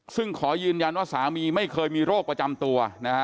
ซึ่งขอยืนยันว่าสามีไม่เคยมีโรคประจำตัวนะฮะ